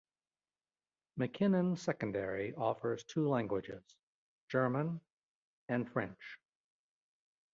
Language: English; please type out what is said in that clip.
McKinnon Secondary offers two languages, German and French.